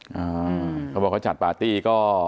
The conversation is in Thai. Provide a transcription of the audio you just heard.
เขาบอกเขาจัดปาร์ตี้ก็